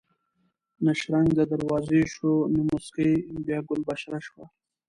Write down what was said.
نه شرنګ د دروازې شو نه موسکۍ بیا ګل بشره شوه